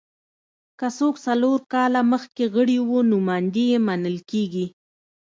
که څوک څلور کاله مخکې غړي وو نوماندي یې منل کېږي